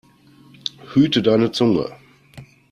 Hüte deine Zunge!